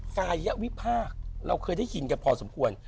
กายวิพากษ์เราเคยได้ยินกันพอสมควร